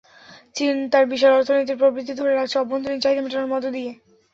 চীন তার বিশাল অর্থনীতির প্রবৃদ্ধি ধরে রাখছে অভ্যন্তরীণ চাহিদা মেটানোর মধ্য দিয়ে।